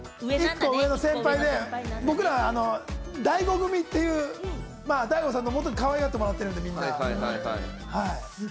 １個上の先輩、僕ら大悟組っていう、大悟さんにかわいがってもらってるメンバー。